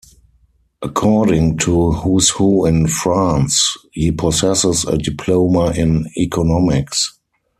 According to "Who's Who in France" he possesses a diploma in economics.